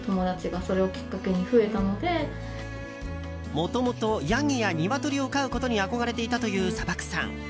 もともとヤギやニワトリを飼うことに憧れていたという砂漠さん。